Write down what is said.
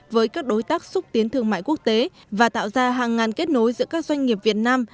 với các đối tác xúc tiến thương mại quốc tế và tạo ra hàng ngàn kết nối giữa các doanh nghiệp việt nam